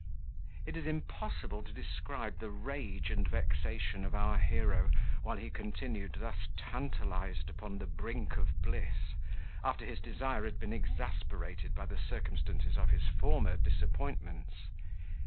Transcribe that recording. It is impossible to describe the rage and vexation of our hero, while he continued thus tantalized upon the brink of bliss, after his desire had been exasperated by the circumstances of his former disappointments.